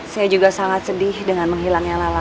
saya juga sangat sedih dengan menghilangnya lala